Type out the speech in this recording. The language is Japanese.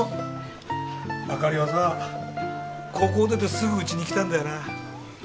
あかりはさ高校出てすぐうちに来たんだよな。